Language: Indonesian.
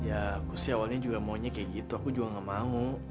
ya aku sih awalnya juga maunya kayak gitu aku juga gak mau